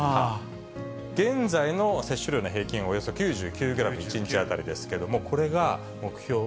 現在の摂取量の平均はおよそ９９グラム、１日当たりですけれども。